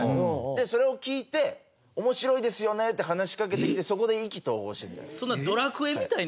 それを聞いて「面白いですよね！」って話しかけてきてそこで意気投合して。